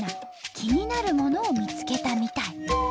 気になるものを見つけたみたい。